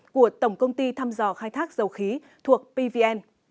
của tổng công ty thăm dò khai thác dầu khí thuộc pvn